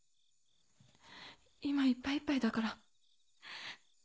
今いっぱいいっぱいだから。